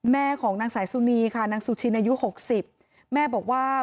แม่ของนางสายซูนีค่ะนางสูชินที่อายุ๖๐